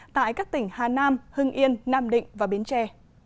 tại các tỉnh hà nam hưng yên nam định và bến tre